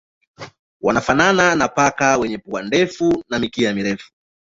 Wanafanana na paka wenye pua ndefu na mkia mrefu.